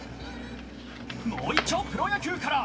もう一丁、プロ野球から。